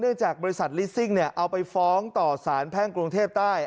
จากบริษัทลิสซิ่งเอาไปฟ้องต่อสารแพ่งกรุงเทพใต้